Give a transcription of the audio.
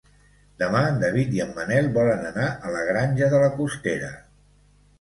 Demà en David i en Manel volen anar a la Granja de la Costera.